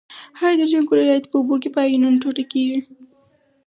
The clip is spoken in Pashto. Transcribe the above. هایدروجن کلوراید په اوبو کې په آیونونو ټوټه کیږي.